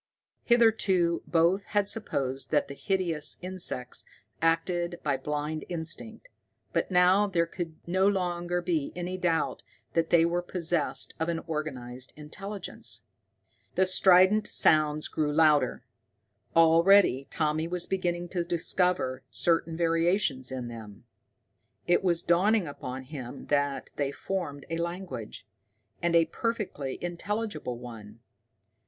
Hitherto both had supposed that the hideous insects acted by blind instinct, but now there could no longer be any doubt that they were possessed of an organized intelligence. The strident sounds grew louder. Already Tommy was beginning to discover certain variations in them. It was dawning upon him that they formed a language and a perfectly intelligible one.